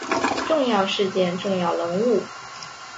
重要事件重要人物